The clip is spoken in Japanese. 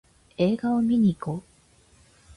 映画見にいこう